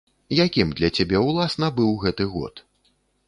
Якім для цябе, уласна, быў гэты год?